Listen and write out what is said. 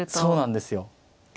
そうなんですよ。